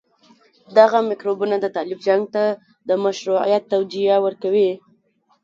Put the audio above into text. دغه میکروبونه د طالب جنګ ته د مشروعيت توجيه ورکوي.